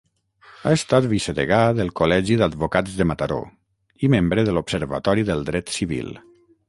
Ha estat vicedegà del Col·legi d'Advocats de Mataró i membre de l'Observatori del Dret Civil.